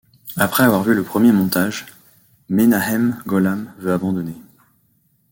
Après avoir vu le premier montage, Menahem Golan veut abandonner.